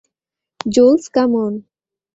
Joules, come on.